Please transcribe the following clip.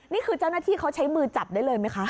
นี่คือเจ้าหน้าที่เขาใช้มือจับได้เลยไหมคะ